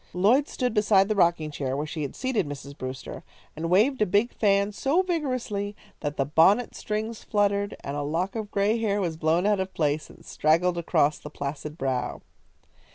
Lloyd stood beside the rocking chair, where she had seated Mrs. Brewster, and waved a big fan so vigorously that the bonnet strings fluttered, and a lock of gray hair was blown out of place and straggled across the placid brow.